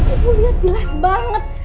ibu lihat jelas banget